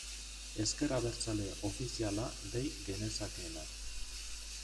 Ezker Abertzale ofiziala dei genezakeena.